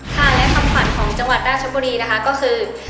คำขันของจังหวัดด้าชบุรีนะคะก็คือ